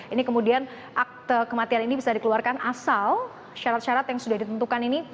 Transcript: ini kemudian akte kematian ini bisa dikeluarkan asal syarat syarat yang sudah ditentukan ini